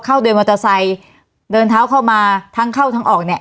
เข้าโดยมอเตอร์ไซค์เดินเท้าเข้ามาทั้งเข้าทั้งออก